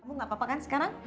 kamu gapapa kan sekarang